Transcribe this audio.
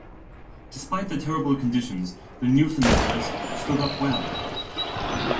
Despite the terrible conditions, the Newfoundlanders stood up well.